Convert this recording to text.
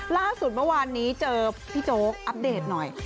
ล่าสุดเมื่อวานนี้เจอพี่โจ๊กอัปเดตหน่อย